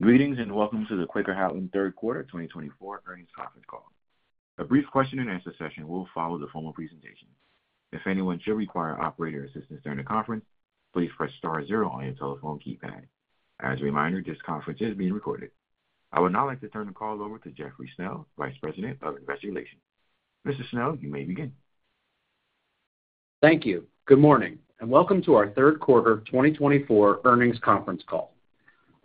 Greetings and welcome to the Quaker Houghton Q3 2024 earnings conference call. A brief question-and-answer session will follow the formal presentation. If anyone should require operator assistance during the conference, please press star zero on your telephone keypad. As a reminder, this conference is being recorded. I would now like to turn the call over to Jeffrey Schnell, Vice President of Investor Relations. Mr. Schnell, you may begin. Thank you. Good morning and welcome to our Q3 2024 earnings conference call.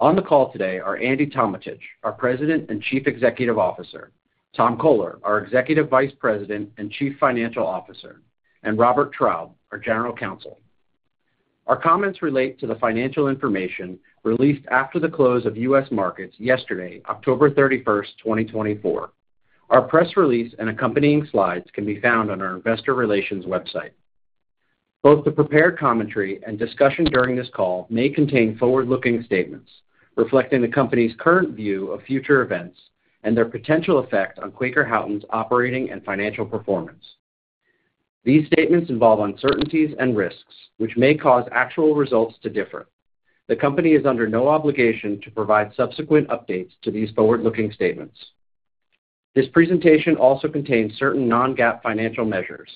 On the call today are Andy Tometich, our President and Chief Executive Officer, Tom Coler, our Executive Vice President and Chief Financial Officer, and Robert Traub, our General Counsel. Our comments relate to the financial information released after the close of U.S. markets yesterday, October 31, 2024. Our press release and accompanying slides can be found on our Investor Relations website. Both the prepared commentary and discussion during this call may contain forward-looking statements reflecting the company's current view of future events and their potential effect on Quaker Houghton's operating and financial performance. These statements involve uncertainties and risks, which may cause actual results to differ. The company is under no obligation to provide subsequent updates to these forward-looking statements. This presentation also contains certain non-GAAP financial measures,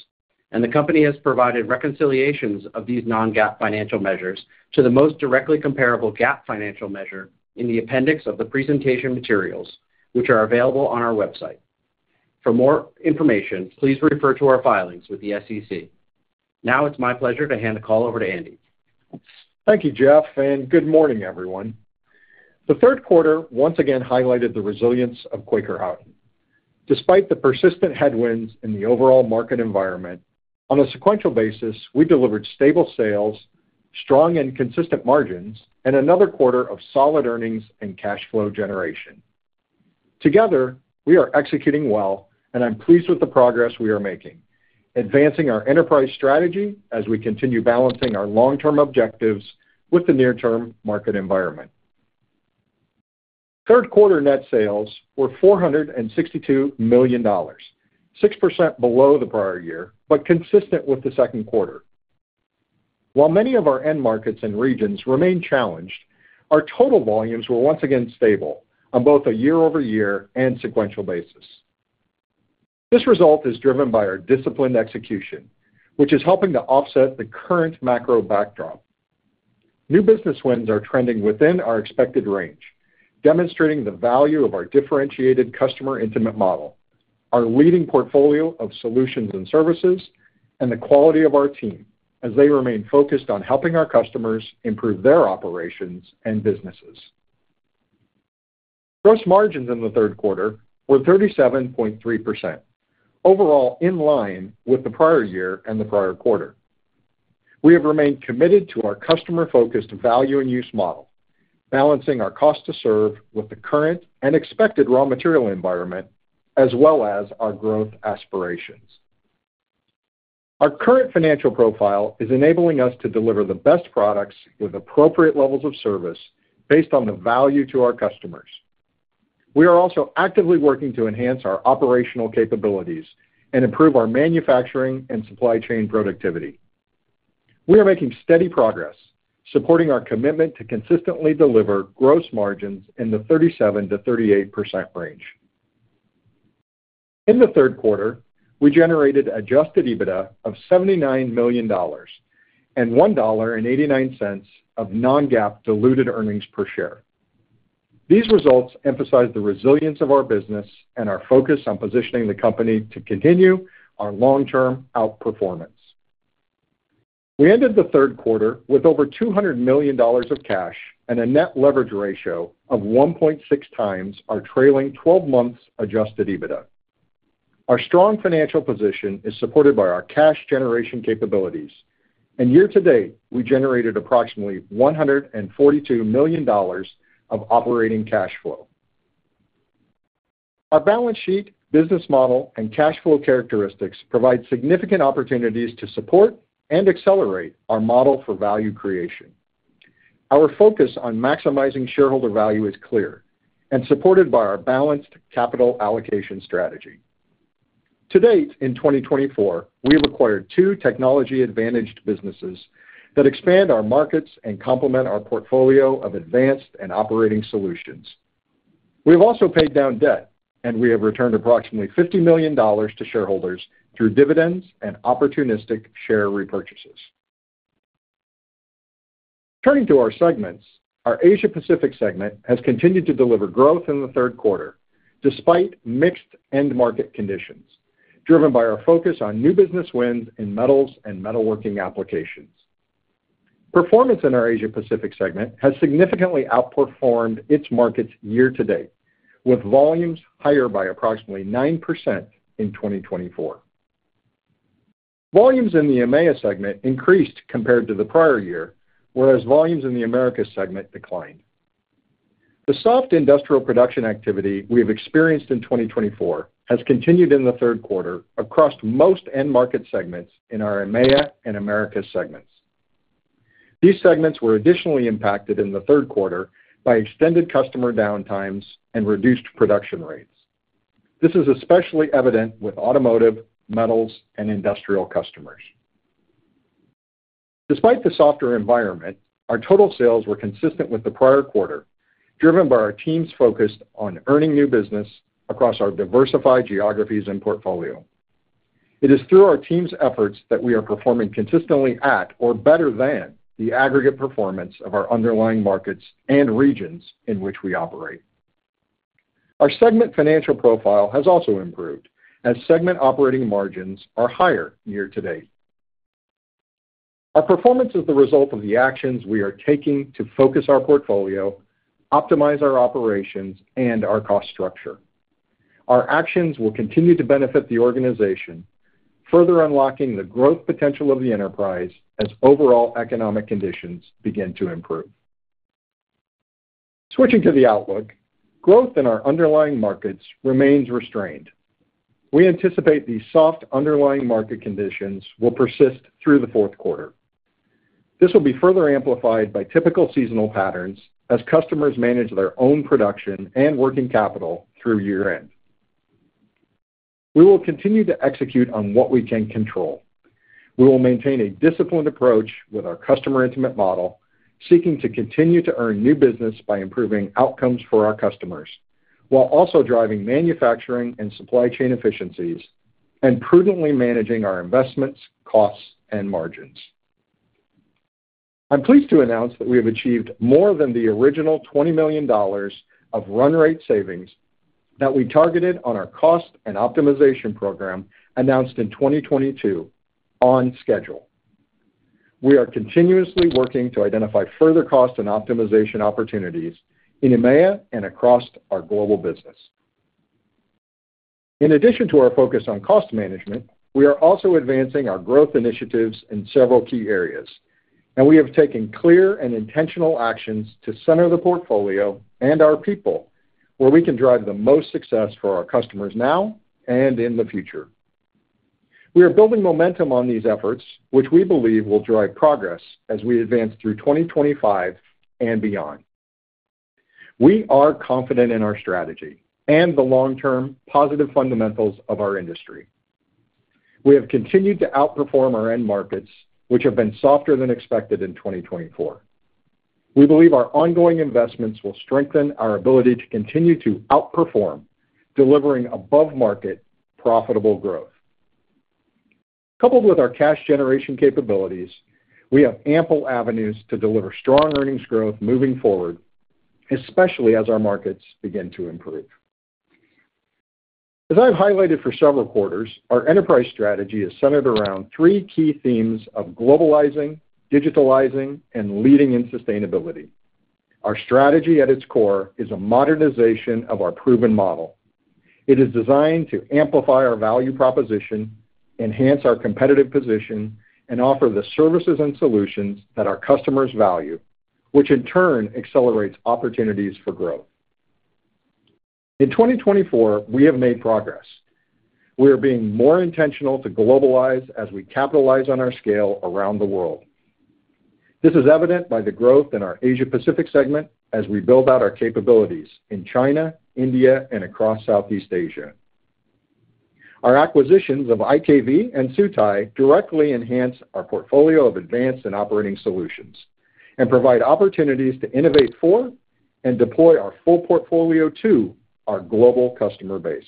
and the company has provided reconciliations of these non-GAAP financial measures to the most directly comparable GAAP financial measure in the appendix of the presentation materials, which are available on our website. For more information, please refer to our filings with the SEC. Now it's my pleasure to hand the call over to Andy. Thank you, Jeff, and good morning, everyone. The Q3 once again highlighted the resilience of Quaker Houghton. Despite the persistent headwinds in the overall market environment, on a sequential basis, we delivered stable sales, strong and consistent margins, and another quarter of solid earnings and cash flow generation. Together, we are executing well, and I'm pleased with the progress we are making, advancing our enterprise strategy as we continue balancing our long-term objectives with the near-term market environment. Q3 net sales were $462 million, 6% below the prior year, but consistent with the Q2. While many of our end markets and regions remain challenged, our total volumes were once again stable on both a year-over-year and sequential basis. This result is driven by our disciplined execution, which is helping to offset the current macro backdrop. New business wins are trending within our expected range, demonstrating the value of our differentiated customer intimate model, our leading portfolio of solutions and services, and the quality of our team as they remain focused on helping our customers improve their operations and businesses. Gross margins in the Q3 were 37.3%, overall in line with the prior year and the prior quarter. We have remained committed to our customer-focused value and use model, balancing our cost to serve with the current and expected raw material environment, as well as our growth aspirations. Our current financial profile is enabling us to deliver the best products with appropriate levels of service based on the value to our customers. We are also actively working to enhance our operational capabilities and improve our manufacturing and supply chain productivity. We are making steady progress, supporting our commitment to consistently deliver gross margins in the 37% to 38% range. In the Q3, we generated Adjusted EBITDA of $79 million and $1.89 of non-GAAP diluted earnings per Share. These results emphasize the resilience of our business and our focus on positioning the company to continue our long-term outperformance. We ended the Q3 with over $200 million of cash and a net leverage ratio of 1.6 times our trailing 12 months' Adjusted EBITDA. Our strong financial position is supported by our cash generation capabilities, and year to date, we generated approximately $142 million of operating cash flow. Our balance sheet, business model, and cash flow characteristics provide significant opportunities to support and accelerate our model for value creation. Our focus on maximizing shareholder value is clear and supported by our balanced capital allocation strategy. To date, in 2024, we have acquired two technology-advantaged businesses that expand our markets and complement our portfolio of advanced and operating solutions. We have also paid down debt, and we have returned approximately $50 million to shareholders through dividends and opportunistic share repurchases. Turning to our segments, our Asia-Pacific segment has continued to deliver growth in the Q3 despite mixed end market conditions, driven by our focus on new business wins in metals and metalworking applications. Performance in our Asia-Pacific segment has significantly outperformed its markets year to date, with volumes higher by approximately 9% in 2024. Volumes in the EMEA segment increased compared to the prior year, whereas volumes in the Americas segment declined. The soft industrial production activity we have experienced in 2024 has continued in the Q3 across most end market segments in our EMEA and Americas segments. These segments were additionally impacted in the Q3 by extended customer downtimes and reduced production rates. This is especially evident with automotive, metals, and industrial customers. Despite the softer environment, our total sales were consistent with the prior quarter, driven by our teams focused on earning new business across our diversified geographies and portfolio. It is through our team's efforts that we are performing consistently at or better than the aggregate performance of our underlying markets and regions in which we operate. Our segment financial profile has also improved as segment operating margins are higher year to date. Our performance is the result of the actions we are taking to focus our portfolio, optimize our operations, and our cost structure. Our actions will continue to benefit the organization, further unlocking the growth potential of the enterprise as overall economic conditions begin to improve. Switching to the outlook, growth in our underlying markets remains restrained. We anticipate these soft underlying market conditions will persist through the Q4. This will be further amplified by typical seasonal patterns as customers manage their own production and working capital through year-end. We will continue to execute on what we can control. We will maintain a disciplined approach with our customer intimate model, seeking to continue to earn new business by improving outcomes for our customers while also driving manufacturing and supply chain efficiencies and prudently managing our investments, costs, and margins. I'm pleased to announce that we have achieved more than the original $20 million of run rate savings that we targeted on our cost and optimization program announced in 2022 on schedule. We are continuously working to identify further cost and optimization opportunities in EMEA and across our global business. In addition to our focus on cost management, we are also advancing our growth initiatives in several key areas, and we have taken clear and intentional actions to center the portfolio and our people where we can drive the most success for our customers now and in the future. We are building momentum on these efforts, which we believe will drive progress as we advance through 2025 and beyond. We are confident in our strategy and the long-term positive fundamentals of our industry. We have continued to outperform our end markets, which have been softer than expected in 2024. We believe our ongoing investments will strengthen our ability to continue to outperform, delivering above-market profitable growth. Coupled with our cash generation capabilities, we have ample avenues to deliver strong earnings growth moving forward, especially as our markets begin to improve. As I have highlighted for several quarters, our enterprise strategy is centered around three key themes of globalizing, digitalizing, and leading in sustainability. Our strategy at its core is a modernization of our proven model. It is designed to amplify our value proposition, enhance our competitive position, and offer the services and solutions that our customers value, which in turn accelerates opportunities for growth. In 2024, we have made progress. We are being more intentional to globalize as we capitalize on our scale around the world. This is evident by the growth in our Asia-Pacific segment as we build out our capabilities in China, India, and across Southeast Asia. Our acquisitions of IKV and Sietai directly enhance our portfolio of advanced and operating solutions and provide opportunities to innovate for and deploy our full portfolio to our global customer base.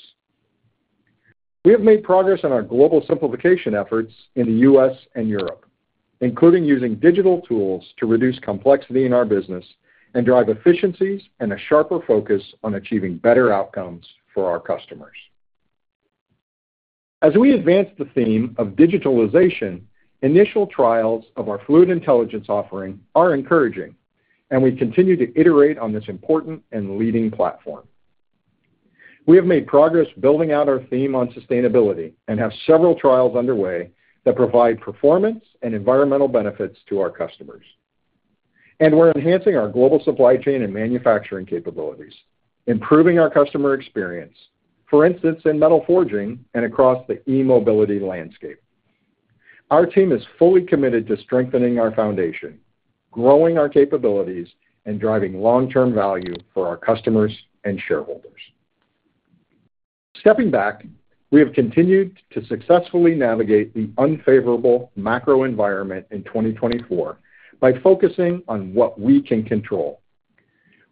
We have made progress on our global simplification efforts in the U.S. and Europe, including using digital tools to reduce complexity in our business and drive efficiencies and a sharper focus on achieving better outcomes for our customers. As we advance the theme of digitalization, initial trials of our Fluid Intelligence offering are encouraging, and we continue to iterate on this important and leading platform. We have made progress building out our theme on sustainability and have several trials underway that provide performance and environmental benefits to our customers, and we're enhancing our global supply chain and manufacturing capabilities, improving our customer experience, for instance, in metal forging and across the e-mobility landscape. Our team is fully committed to strengthening our foundation, growing our capabilities, and driving long-term value for our customers and shareholders. Stepping back, we have continued to successfully navigate the unfavorable macro environment in 2024 by focusing on what we can control.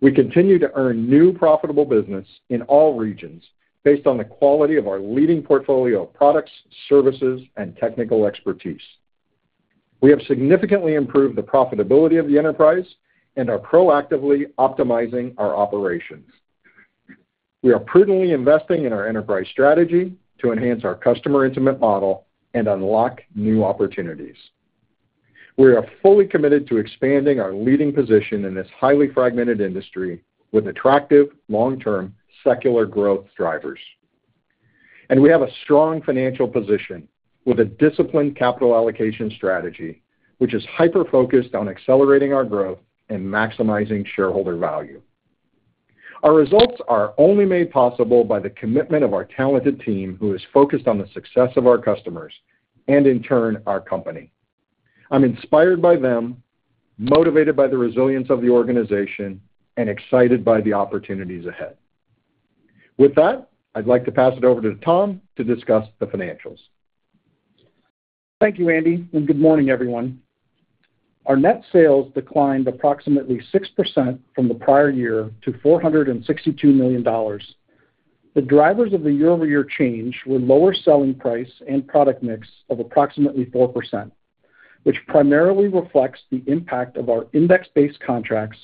We continue to earn new profitable business in all regions based on the quality of our leading portfolio of products, services, and technical expertise. We have significantly improved the profitability of the enterprise and are proactively optimizing our operations. We are prudently investing in our enterprise strategy to enhance our customer intimate model and unlock new opportunities. We are fully committed to expanding our leading position in this highly fragmented industry with attractive long-term secular growth drivers, and we have a strong financial position with a disciplined capital allocation strategy, which is hyper-focused on accelerating our growth and maximizing shareholder value. Our results are only made possible by the commitment of our talented team who is focused on the success of our customers and, in turn, our company. I'm inspired by them, motivated by the resilience of the organization, and excited by the opportunities ahead. With that, I'd like to pass it over to Tom to discuss the financials. Thank you, Andy, and good morning, everyone. Our net sales declined approximately 6% from the prior year to $462 million. The drivers of the year-over-year change were lower selling price and product mix of approximately 4%, which primarily reflects the impact of our index-based contracts,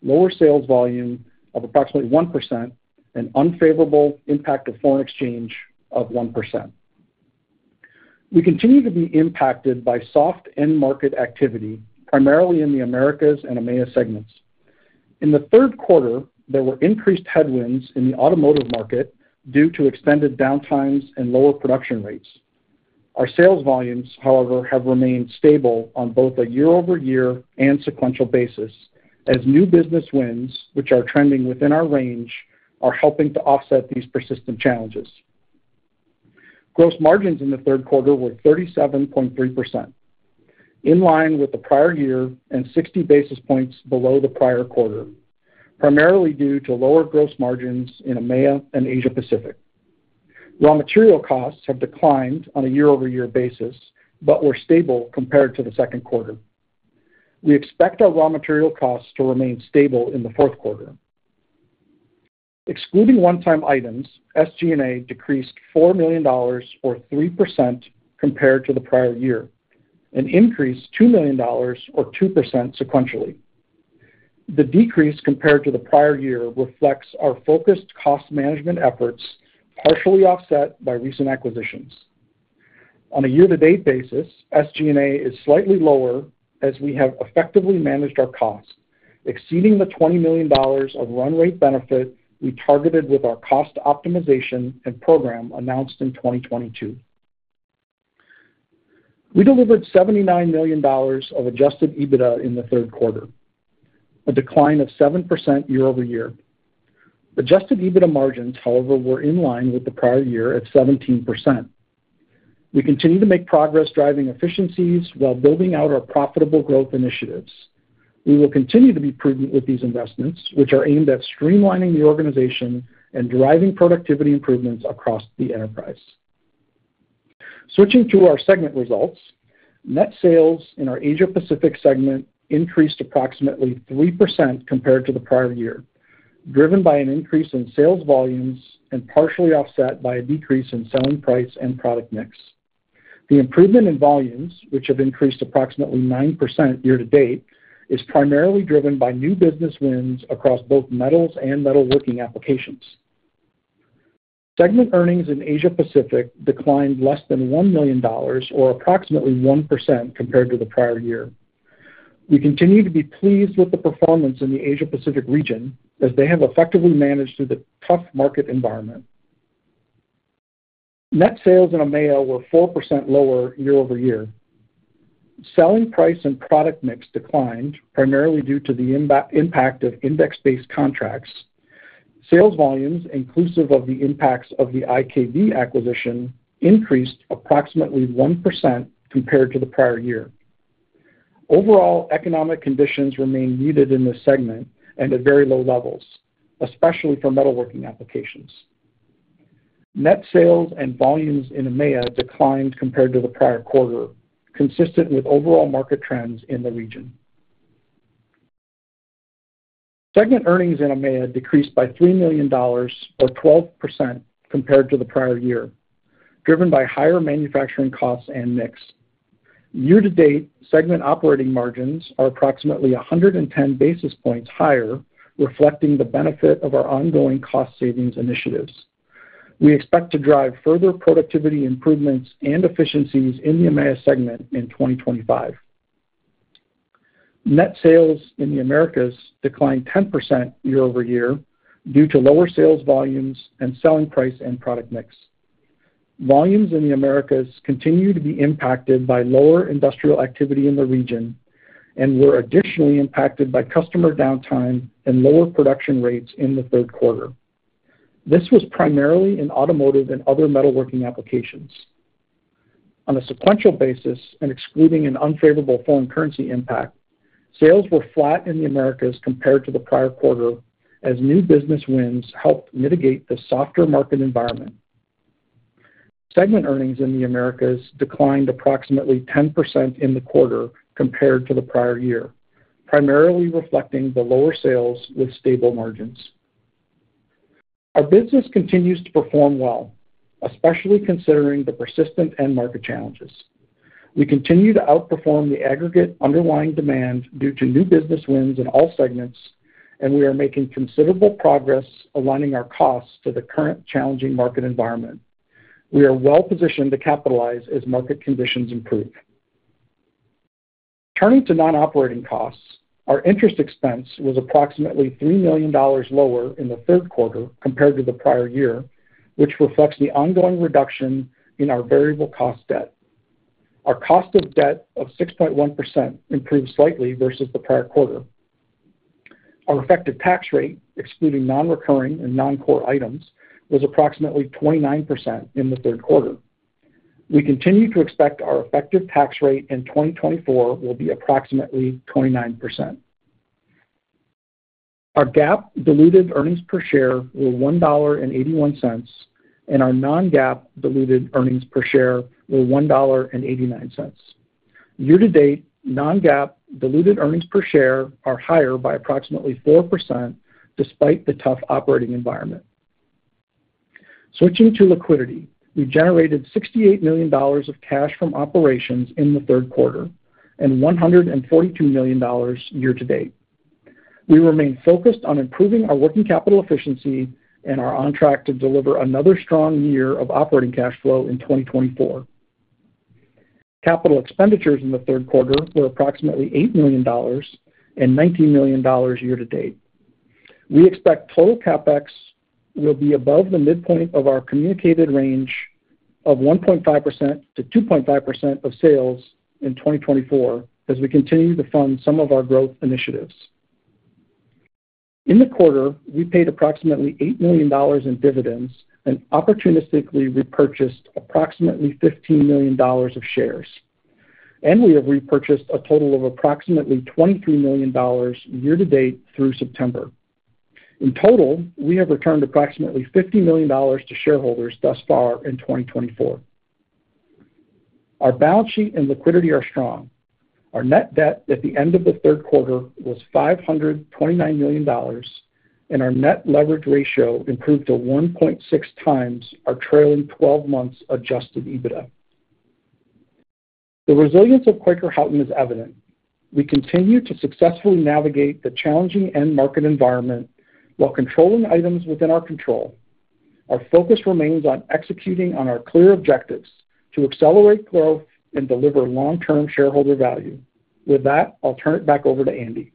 lower sales volume of approximately 1%, and unfavorable impact of foreign exchange of 1%. We continue to be impacted by soft end market activity, primarily in the Americas and EMEA segments. In the Q3, there were increased headwinds in the automotive market due to extended downtimes and lower production rates. Our sales volumes, however, have remained stable on both a year-over-year and sequential basis as new business wins, which are trending within our range, are helping to offset these persistent challenges. Gross margins in the Q3 were 37.3%, in line with the prior year and 60 basis points below the prior quarter, primarily due to lower gross margins in EMEA and Asia-Pacific. Raw material costs have declined on a year-over-year basis but were stable compared to the Q2. We expect our raw material costs to remain stable in the Q4. Excluding one-time items, SG&A decreased $4 million or 3% compared to the prior year, an increase of $2 million or 2% sequentially. The decrease compared to the prior year reflects our focused cost management efforts partially offset by recent acquisitions. On a year-to-date basis, SG&A is slightly lower as we have effectively managed our costs, exceeding the $20 million of run rate benefit we targeted with our cost optimization and program announced in 2022. We delivered $79 million of adjusted EBITDA in the Q3, a decline of 7% year-over-year. Adjusted EBITDA margins, however, were in line with the prior year at 17%. We continue to make progress driving efficiencies while building out our profitable growth initiatives. We will continue to be prudent with these investments, which are aimed at streamlining the organization and driving productivity improvements across the enterprise. Switching to our segment results, net sales in our Asia-Pacific segment increased approximately 3% compared to the prior year, driven by an increase in sales volumes and partially offset by a decrease in selling price and product mix. The improvement in volumes, which have increased approximately 9% year to date, is primarily driven by new business wins across both metals and metalworking applications. Segment earnings in Asia-Pacific declined less than $1 million or approximately 1% compared to the prior year. We continue to be pleased with the performance in the Asia-Pacific region as they have effectively managed through the tough market environment. Net sales in EMEA were 4% lower year-over-year. Selling price and product mix declined, primarily due to the impact of index-based contracts. Sales volumes, inclusive of the impacts of the IKV acquisition, increased approximately 1% compared to the prior year. Overall, economic conditions remain muted in this segment and at very low levels, especially for metalworking applications. Net sales and volumes in EMEA declined compared to the prior quarter, consistent with overall market trends in the region. Segment earnings in EMEA decreased by $3 million or 12% compared to the prior year, driven by higher manufacturing costs and mix. Year-to-date, segment operating margins are approximately 110 basis points higher, reflecting the benefit of our ongoing cost savings initiatives. We expect to drive further productivity improvements and efficiencies in the EMEA segment in 2025. Net sales in the Americas declined 10% year-over-year due to lower sales volumes and selling price and product mix. Volumes in the Americas continue to be impacted by lower industrial activity in the region and were additionally impacted by customer downtime and lower production rates in the Q3. This was primarily in automotive and other metalworking applications. On a sequential basis and excluding an unfavorable foreign currency impact, sales were flat in the Americas compared to the prior quarter as new business wins helped mitigate the softer market environment. Segment earnings in the Americas declined approximately 10% in the quarter compared to the prior year, primarily reflecting the lower sales with stable margins. Our business continues to perform well, especially considering the persistent end market challenges. We continue to outperform the aggregate underlying demand due to new business wins in all segments, and we are making considerable progress aligning our costs to the current challenging market environment. We are well-positioned to capitalize as market conditions improve. Turning to non-operating costs, our interest expense was approximately $3 million lower in the Q3 compared to the prior year, which reflects the ongoing reduction in our variable cost debt. Our cost of debt of 6.1% improved slightly versus the prior quarter. Our effective tax rate, excluding non-recurring and non-core items, was approximately 29% in the Q3. We continue to expect our effective tax rate in 2024 will be approximately 29%. Our GAAP diluted earnings per share were $1.81, and our non-GAAP diluted earnings per share were $1.89. Year-to-date, non-GAAP diluted earnings per share are higher by approximately 4% despite the tough operating environment. Switching to liquidity, we generated $68 million of cash from operations in the Q3 and $142 million year-to-date. We remain focused on improving our working capital efficiency and are on track to deliver another strong year of operating cash flow in 2024. Capital expenditures in the Q3 were approximately $8 million and $19 million year-to-date. We expect total CapEx will be above the midpoint of our communicated range of 1.5% to 2.5% of sales in 2024 as we continue to fund some of our growth initiatives. In the quarter, we paid approximately $8 million in dividends and opportunistically repurchased approximately $15 million of shares. And we have repurchased a total of approximately $23 million year-to-date through September. In total, we have returned approximately $50 million to shareholders thus far in 2024. Our balance sheet and liquidity are strong. Our net debt at the end of the Q3 was $529 million, and our net leverage ratio improved to 1.6 times our trailing 12 months' Adjusted EBITDA. The resilience of Quaker Houghton is evident. We continue to successfully navigate the challenging end market environment while controlling items within our control. Our focus remains on executing on our clear objectives to accelerate growth and deliver long-term shareholder value. With that, I'll turn it back over to Andy.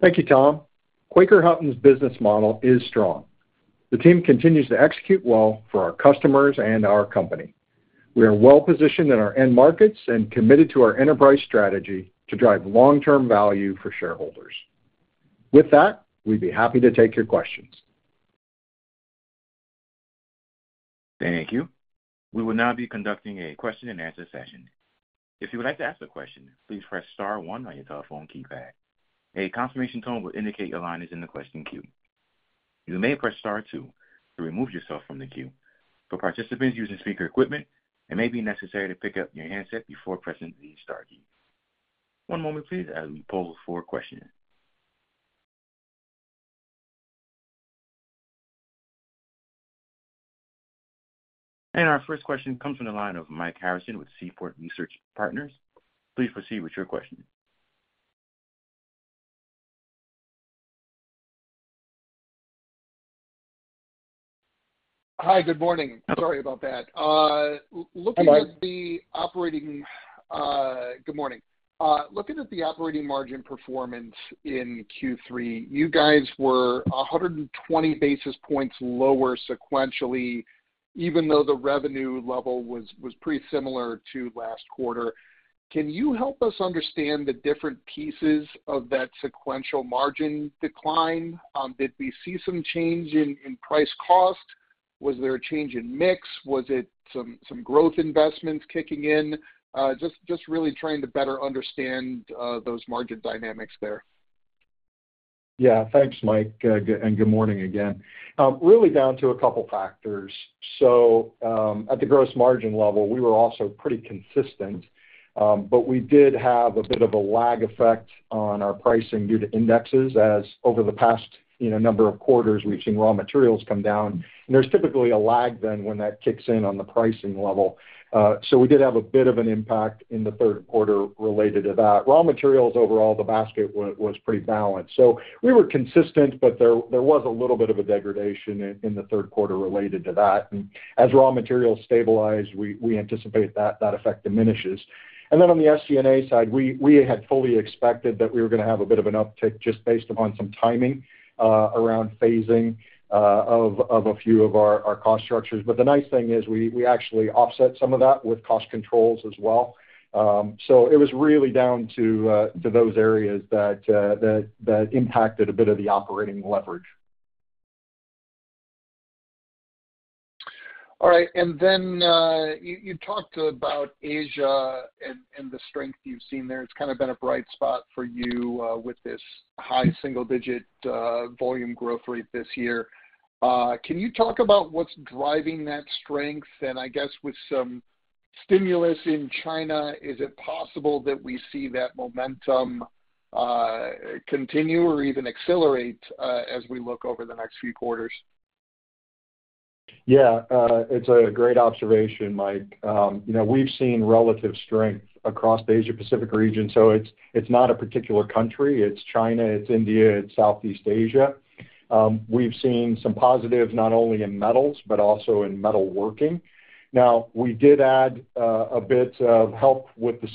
Thank you, Tom. Quaker Houghton's business model is strong. The team continues to execute well for our customers and our company. We are well-positioned in our end markets and committed to our enterprise strategy to drive long-term value for shareholders. With that, we'd be happy to take your questions. Thank you. We will now be conducting a question-and-answer session. If you would like to ask a question, please press Star 1 on your telephone keypad. A confirmation tone will indicate your line is in the question queue. You may press Star 2 to remove yourself from the queue. For participants using speaker equipment, it may be necessary to pick up your handset before pressing the Star key. One moment, please, as we poll for questions. Our first question comes from the line of Mike Harrison with Seaport Research Partners. Please proceed with your question. Hi, good morning. Sorry about that. Looking at the operating - good morning. Looking at the operating margin performance in Q3, you guys were 120 basis points lower sequentially, even though the revenue level was pretty similar to last quarter. Can you help us understand the different pieces of that sequential margin decline? Did we see some change in price cost? Was there a change in mix? Was it some growth investments kicking in? Just really trying to better understand those margin dynamics there. Yeah, thanks, Mike, and good morning again. Really down to a couple of factors. So at the gross margin level, we were also pretty consistent, but we did have a bit of a lag effect on our pricing due to indexes as over the past number of quarters, we've seen raw materials come down. And there's typically a lag then when that kicks in on the pricing level. So we did have a bit of an impact in the Q3 related to that. Raw materials overall, the basket was pretty balanced. So we were consistent, but there was a little bit of a degradation in the Q3 related to that. And as raw materials stabilize, we anticipate that effect diminishes. And then on the SG&A side, we had fully expected that we were going to have a bit of an uptick just based upon some timing around phasing of a few of our cost structures. But the nice thing is we actually offset some of that with cost controls as well. So it was really down to those areas that impacted a bit of the operating leverage. All right. And then you talked about Asia and the strength you've seen there. It's kind of been a bright spot for you with this high single-digit volume growth rate this year. Can you talk about what's driving that strength? And I guess with some stimulus in China, is it possible that we see that momentum continue or even accelerate as we look over the next few quarters? Yeah, it's a great observation, Mike. We've seen relative strength across the Asia-Pacific region. So it's not a particular country. It's China, it's India, it's Southeast Asia. We've seen some positives not only in metals but also in metalworking. Now, we did add a bit of help with the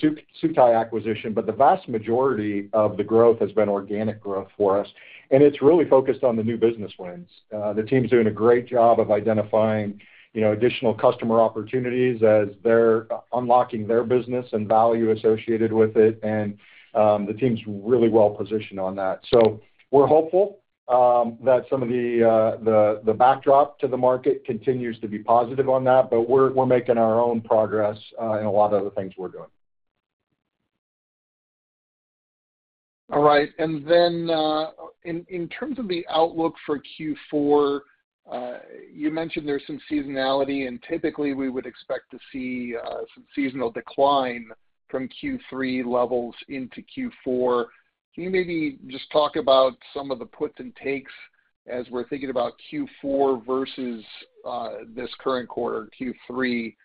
Sietai acquisition, but the vast majority of the growth has been organic growth for us. And it's really focused on the new business wins. The team's doing a great job of identifying additional customer opportunities as they're unlocking their business and value associated with it. The team's really well-positioned on that. So we're hopeful that some of the backdrop to the market continues to be positive on that, but we're making our own progress in a lot of the things we're doing. All right. And then in terms of the outlook for Q4, you mentioned there's some seasonality, and typically we would expect to see some seasonal decline from Q3 levels into Q4. Can you maybe just talk about some of the puts and takes as we're thinking about Q4 versus this current quarter, Q3,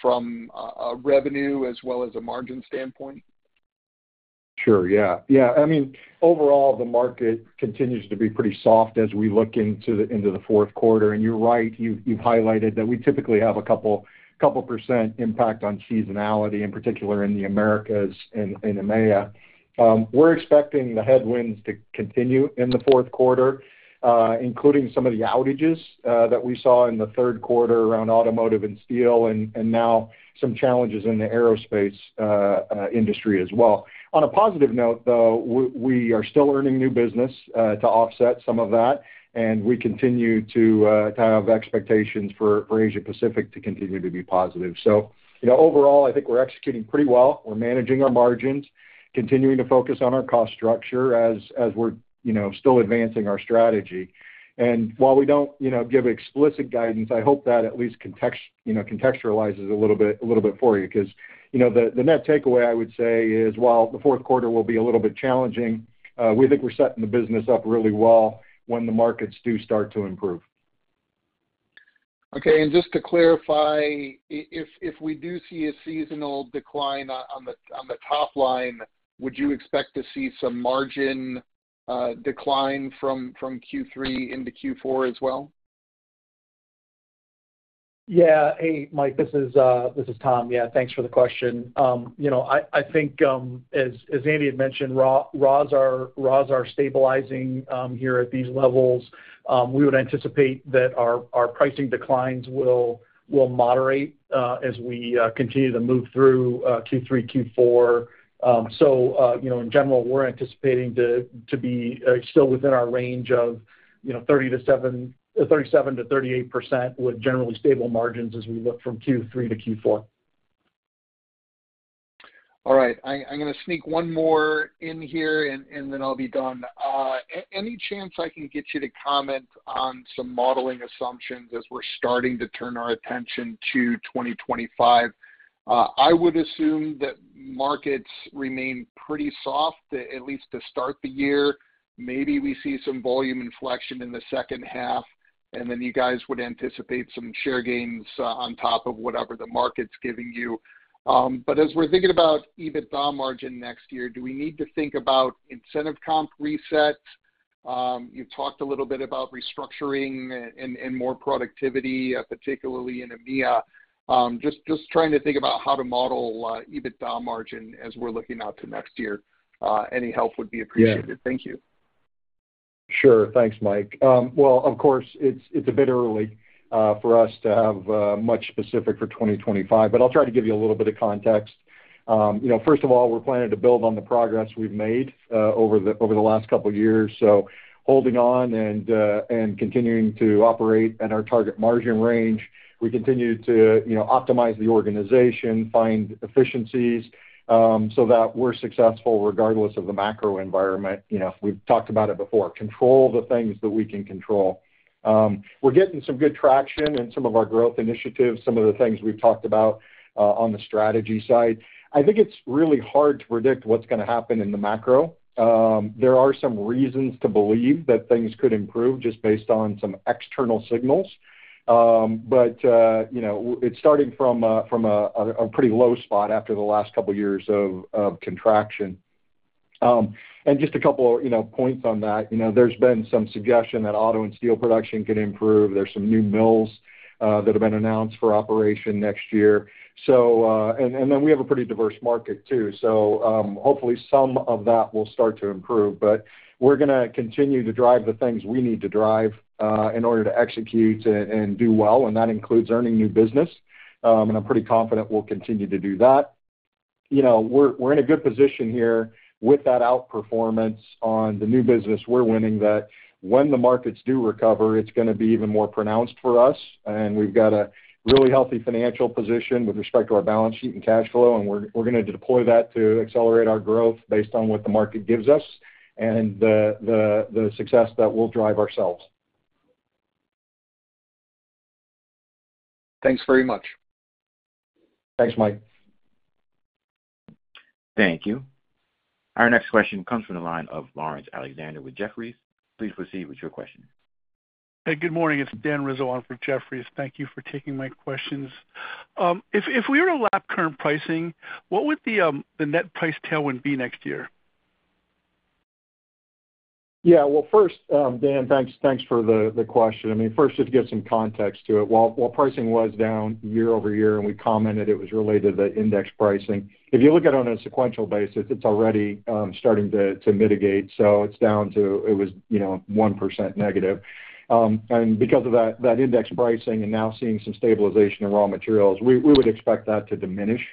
from a revenue as well as a margin standpoint? Sure, yeah. Yeah, I mean, overall, the market continues to be pretty soft as we look into the Q4. And you're right, you've highlighted that we typically have a couple% impact on seasonality, in particular in the Americas and EMEA. We're expecting the headwinds to continue in the Q4, including some of the outages that we saw in the Q3 around automotive and steel, and now some challenges in the aerospace industry as well. On a positive note, though, we are still earning new business to offset some of that, and we continue to have expectations for Asia-Pacific to continue to be positive. So overall, I think we're executing pretty well. We're managing our margins, continuing to focus on our cost structure as we're still advancing our strategy. And while we don't give explicit guidance, I hope that at least contextualizes a little bit for you because the net takeaway I would say is, while the Q4 will be a little bit challenging, we think we're setting the business up really well when the markets do start to improve. Okay. And just to clarify, if we do see a seasonal decline on the top line, would you expect to see some margin decline from Q3 into Q4 as well? Yeah. Hey, Mike, this is Tom. Yeah, thanks for the question. I think, as Andy had mentioned, raws are stabilizing here at these levels. We would anticipate that our pricing declines will moderate as we continue to move through Q3, Q4. So in general, we're anticipating to be still within our range of 37% to 38% with generally stable margins as we look from Q3 to Q4. All right. I'm going to sneak one more in here, and then I'll be done. Any chance I can get you to comment on some modeling assumptions as we're starting to turn our attention to 2025? I would assume that markets remain pretty soft, at least to start the year. Maybe we see some volume inflection in the second half, and then you guys would anticipate some share gains on top of whatever the market's giving you. But as we're thinking about EBITDA margin next year, do we need to think about incentive comp resets? You've talked a little bit about restructuring and more productivity, particularly in EMEA. Just trying to think about how to model EBITDA margin as we're looking out to next year. Any help would be appreciated. Thank you. Sure. Thanks, Mike. Well, of course, it's a bit early for us to have much specific for 2025, but I'll try to give you a little bit of context. First of all, we're planning to build on the progress we've made over the last couple of years. So holding on and continuing to operate at our target margin range, we continue to optimize the organization, find efficiencies so that we're successful regardless of the macro environment. We've talked about it before. Control the things that we can control. We're getting some good traction in some of our growth initiatives, some of the things we've talked about on the strategy side. I think it's really hard to predict what's going to happen in the macro. There are some reasons to believe that things could improve just based on some external signals. But it's starting from a pretty low spot after the last couple of years of contraction. And just a couple of points on that. There's been some suggestion that auto and steel production can improve. There's some new mills that have been announced for operation next year. And then we have a pretty diverse market too. So hopefully some of that will start to improve. But we're going to continue to drive the things we need to drive in order to execute and do well. And that includes earning new business. And I'm pretty confident we'll continue to do that. We're in a good position here with that outperformance on the new business. We're winning that. When the markets do recover, it's going to be even more pronounced for us. And we've got a really healthy financial position with respect to our balance sheet and cash flow. And we're going to deploy that to accelerate our growth based on what the market gives us and the success that we'll drive ourselves. Thanks very much. Thanks, Mike. Thank you. Our next question comes from the line of Lawrence Alexander with Jefferies. Please proceed with your question. Hey, good morning. It's Dan Rizzo on for Jefferies. Thank you for taking my questions. If we were to lap current pricing, what would the net price tailwind be next year? Yeah. Well, first, Dan, thanks for the question. I mean, first, just to give some context to it. While pricing was down year over year, and we commented it was related to the index pricing, if you look at it on a sequential basis, it's already starting to mitigate, so it's down to it was 1% negative, and because of that index pricing and now seeing some stabilization in raw materials, we would expect that to diminish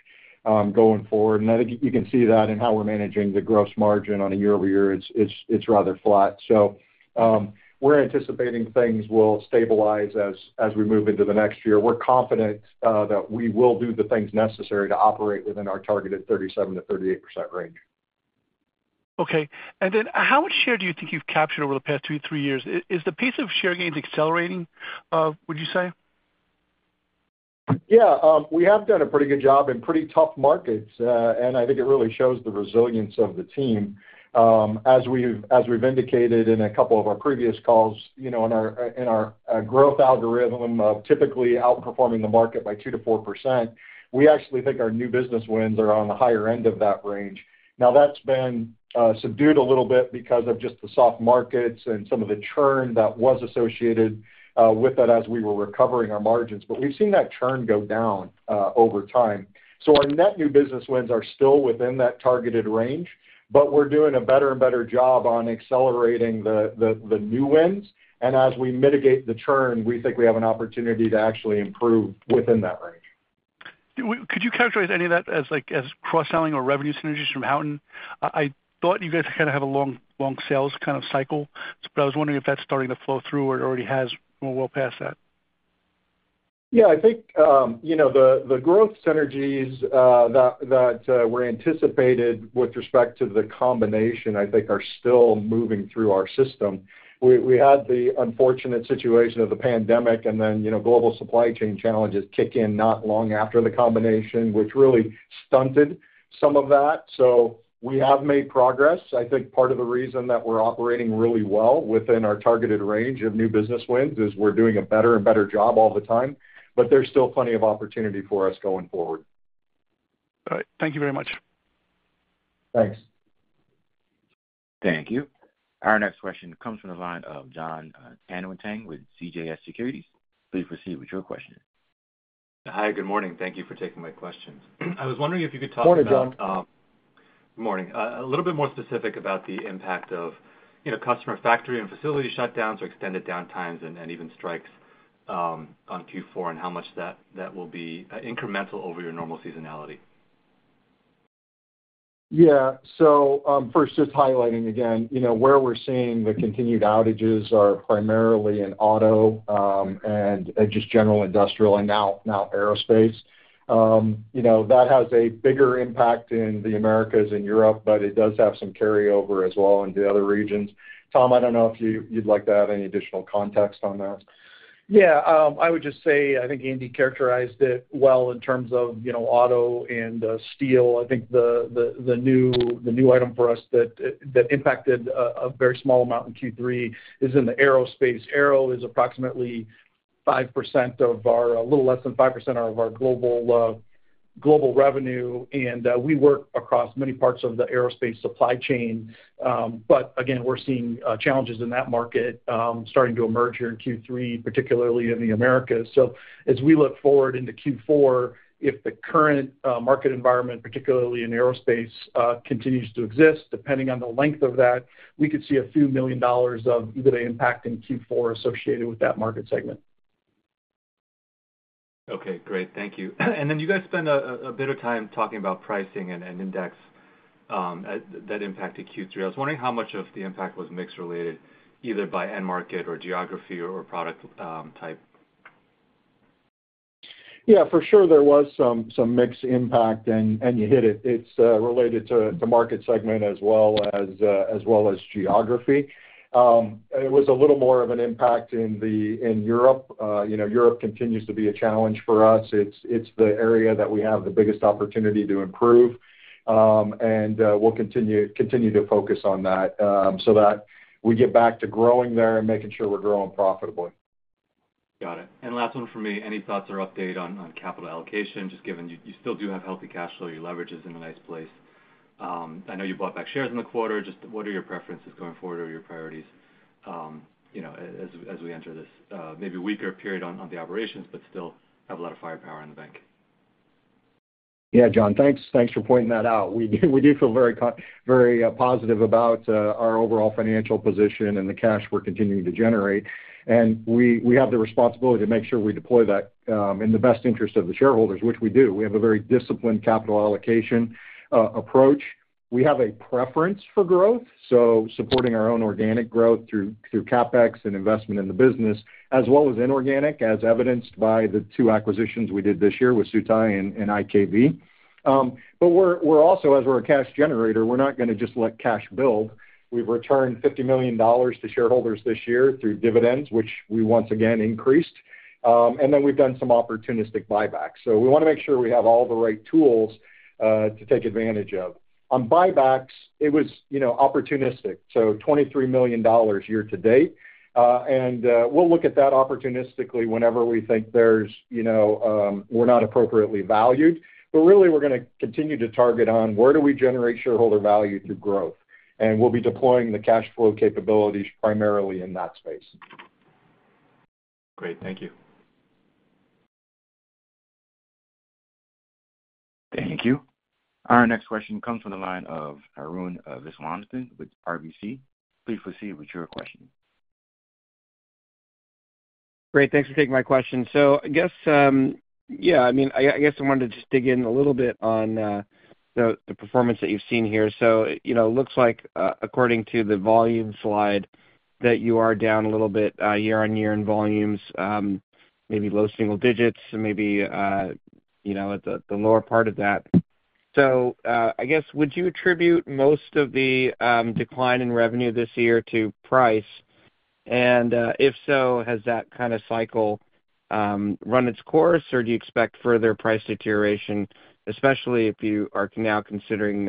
going forward, and I think you can see that in how we're managing the gross margin on a year-over-year basis. It's rather flat, so we're anticipating things will stabilize as we move into the next year. We're confident that we will do the things necessary to operate within our targeted 37% to 38% range. Okay. And then how much share do you think you've captured over the past two, three years? Is the pace of share gains accelerating, would you say? Yeah. We have done a pretty good job in pretty tough markets. And I think it really shows the resilience of the team. As we've indicated in a couple of our previous calls, in our growth algorithm of typically outperforming the market by 2%-4%, we actually think our new business wins are on the higher end of that range. Now, that's been subdued a little bit because of just the soft markets and some of the churn that was associated with that as we were recovering our margins. But we've seen that churn go down over time. So our net new business wins are still within that targeted range, but we're doing a better and better job on accelerating the new wins. And as we mitigate the churn, we think we have an opportunity to actually improve within that range. Could you characterize any of that as cross-selling or revenue synergies from Houghton? I thought you guys kind of have a long sales kind of cycle, but I was wondering if that's starting to flow through or it already has well past that. Yeah. I think the growth synergies that were anticipated with respect to the combination, I think, are still moving through our system. We had the unfortunate situation of the pandemic, and then global supply chain challenges kick in not long after the combination, which really stunted some of that. So we have made progress. I think part of the reason that we're operating really well within our targeted range of new business wins is we're doing a better and better job all the time, but there's still plenty of opportunity for us going forward. All right. Thank you very much. Thanks. Thank you. Our next question comes from the line of John Tanwanteng with CJS Securities. Please proceed with your question. Hi, good morning. Thank you for taking my questions. I was wondering if you could talk about. Morning, John. Good morning. A little bit more specific about the impact of customer factory and facility shutdowns or extended downtimes and even strikes on Q4 and how much that will be incremental over your normal seasonality. Yeah. So first, just highlighting again, where we're seeing the continued outages are primarily in auto and just general industrial and now aerospace. That has a bigger impact in the Americas and Europe, but it does have some carryover as well into other regions. Tom, I don't know if you'd like to add any additional context on that. Yeah. I would just say I think Andy characterized it well in terms of auto and steel. I think the new item for us that impacted a very small amount in Q3 is in the aerospace. Aero is approximately 5%, a little less than 5%, of our global revenue. And we work across many parts of the aerospace supply chain. But again, we're seeing challenges in that market starting to emerge here in Q3, particularly in the Americas. So as we look forward into Q4, if the current market environment, particularly in aerospace, continues to exist, depending on the length of that, we could see a few million dollars of EBITDA impact in Q4 associated with that market segment. Okay. Great. Thank you. And then you guys spent a bit of time talking about pricing and mix that impacted Q3. I was wondering how much of the impact was mixed related, either by end market or geography or product type. Yeah. For sure, there was some mixed impact, and you hit it. It's related to market segment as well as geography. It was a little more of an impact in Europe. Europe continues to be a challenge for us. It's the area that we have the biggest opportunity to improve. And we'll continue to focus on that so that we get back to growing there and making sure we're growing profitably. Got it. And last one from me. Any thoughts or update on capital allocation, just given you still do have healthy cash flow? Your leverage is in a nice place. I know you bought back shares in the quarter. Just what are your preferences going forward or your priorities as we enter this maybe weaker period on the operations, but still have a lot of firepower in the bank? Yeah, John, thanks. Thanks for pointing that out. We do feel very positive about our overall financial position and the cash we're continuing to generate. And we have the responsibility to make sure we deploy that in the best interest of the shareholders, which we do. We have a very disciplined capital allocation approach. We have a preference for growth, so supporting our own organic growth through CapEx and investment in the business, as well as inorganic, as evidenced by the two acquisitions we did this year with Sietai and IKV. But also, as we're a cash generator, we're not going to just let cash build. We've returned $50 million to shareholders this year through dividends, which we once again increased, and then we've done some opportunistic buybacks. We want to make sure we have all the right tools to take advantage of. On buybacks, it was opportunistic, so $23 million year to date. We'll look at that opportunistically whenever we think we're not appropriately valued. Really, we're going to continue to target on where do we generate shareholder value through growth. We'll be deploying the cash flow capabilities primarily in that space. Great. Thank you. Thank you. Our next question comes from the line of Arun Viswanathan with RBC Capital Markets. Please proceed with your question. Great. Thanks for taking my question. So I guess, yeah, I mean, I guess I wanted to just dig in a little bit on the performance that you've seen here. So it looks like, according to the volume slide, that you are down a little bit year on year in volumes, maybe low single digits, maybe at the lower part of that. So I guess, would you attribute most of the decline in revenue this year to price? And if so, has that kind of cycle run its course, or do you expect further price deterioration, especially if you are now considering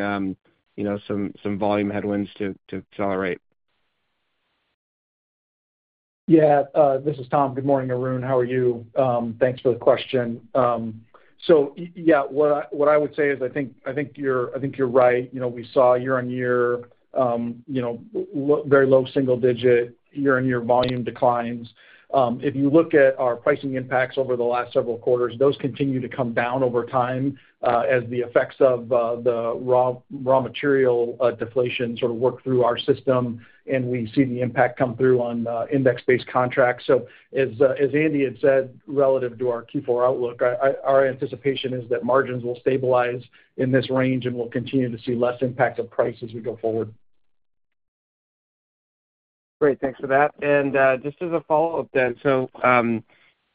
some volume headwinds to accelerate? Yeah. This is Tom. Good morning, Arun. How are you? Thanks for the question. So yeah, what I would say is I think you're right. We saw year-on-year very low single-digit year-on-year volume declines. If you look at our pricing impacts over the last several quarters, those continue to come down over time as the effects of the raw material deflation sort of work through our system, and we see the impact come through on index-based contracts. So as Andy had said, relative to our Q4 outlook, our anticipation is that margins will stabilize in this range and we'll continue to see less impact of price as we go forward. Great. Thanks for that. And just as a follow-up then, so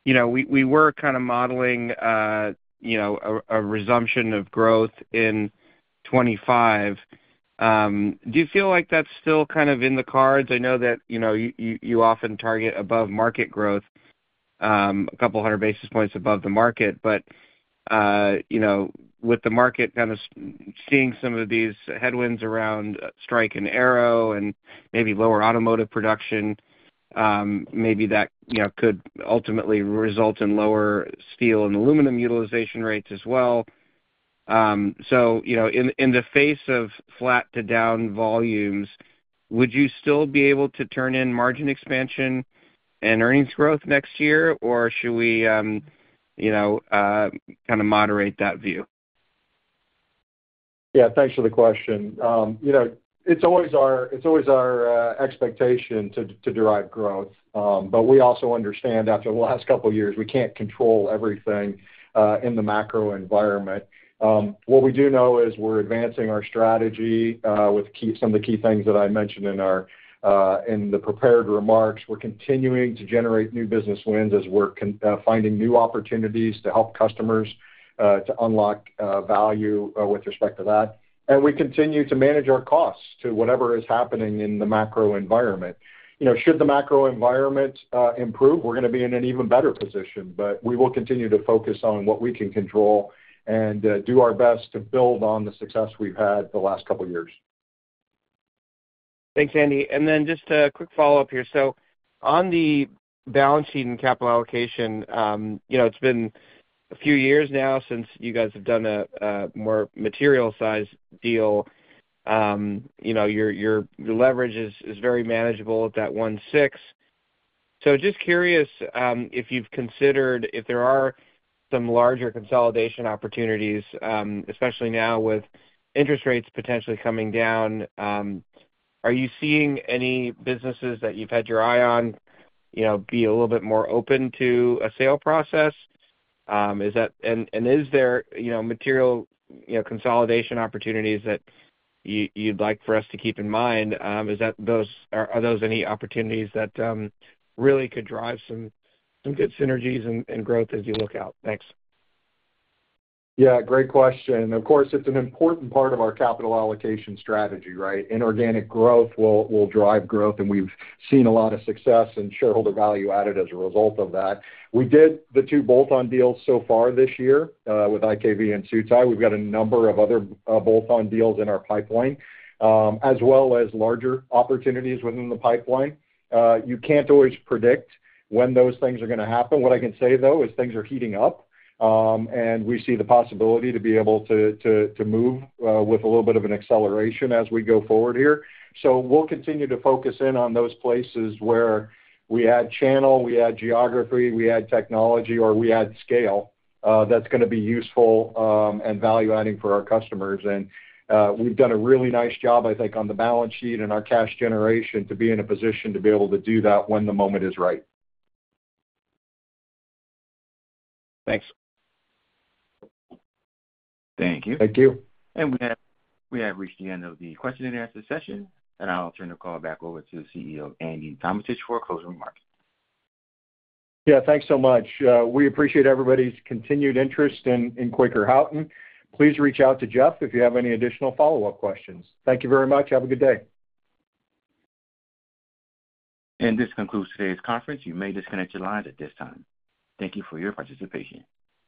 we were kind of modeling a resumption of growth in 2025. Do you feel like that's still kind of in the cards? I know that you often target above-market growth, a couple hundred basis points above the market. But with the market kind of seeing some of these headwinds around strike and labor and maybe lower automotive production, maybe that could ultimately result in lower steel and aluminum utilization rates as well. So in the face of flat to down volumes, would you still be able to turn in margin expansion and earnings growth next year, or should we kind of moderate that view? Yeah. Thanks for the question. It's always our expectation to drive growth. But we also understand after the last couple of years, we can't control everything in the macro environment. What we do know is we're advancing our strategy with some of the key things that I mentioned in the prepared remarks. We're continuing to generate new business wins as we're finding new opportunities to help customers to unlock value with respect to that. We continue to manage our costs to whatever is happening in the macro environment. Should the macro environment improve, we're going to be in an even better position. But we will continue to focus on what we can control and do our best to build on the success we've had the last couple of years. Thanks, Andy. Then just a quick follow-up here. On the balance sheet and capital allocation, it's been a few years now since you guys have done a more material-sized deal. Your leverage is very manageable at that 1.6. So just curious if you've considered if there are some larger consolidation opportunities, especially now with interest rates potentially coming down. Are you seeing any businesses that you've had your eye on be a little bit more open to a sale process? And is there material consolidation opportunities that you'd like for us to keep in mind? Are those any opportunities that really could drive some good synergies and growth as you look out? Thanks. Yeah. Great question. Of course, it's an important part of our capital allocation strategy, right? Inorganic growth will drive growth, and we've seen a lot of success and shareholder value added as a result of that. We did the two bolt-on deals so far this year with IKV and Sietai. We've got a number of other bolt-on deals in our pipeline, as well as larger opportunities within the pipeline. You can't always predict when those things are going to happen. What I can say, though, is things are heating up, and we see the possibility to be able to move with a little bit of an acceleration as we go forward here. So we'll continue to focus in on those places where we add channel, we add geography, we add technology, or we add scale that's going to be useful and value-adding for our customers. And we've done a really nice job, I think, on the balance sheet and our cash generation to be in a position to be able to do that when the moment is right. Thanks. Thank you. Thank you. And we have reached the end of the question and answer session, and I'll turn the call back over to the CEO, Andy Tometich, for a closing remark. Yeah. Thanks so much. We appreciate everybody's continued interest in Quaker Houghton. Please reach out to Jeff if you have any additional follow-up questions. Thank you very much. Have a good day. And this concludes today's conference. You may disconnect your lines at this time. Thank you for your participation.